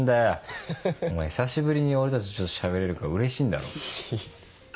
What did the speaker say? フフフ。お前久しぶりに俺たちとしゃべれるから嬉しいんだろ？